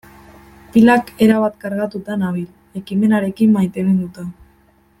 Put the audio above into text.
Pilak erabat kargatuta nabil, ekimenarekin maiteminduta.